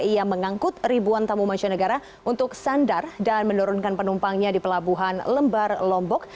ia mengangkut ribuan tamu masyarakat untuk sandar dan menurunkan penumpangnya di pelabuhan lembar lombok